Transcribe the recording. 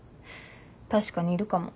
確かにいるかも。